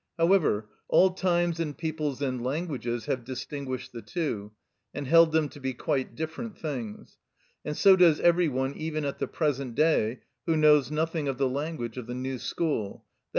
However, all times and peoples and languages have distinguished the two, and held them to be quite different things; and so does every one even at the present day who knows nothing of the language of the new school, _i.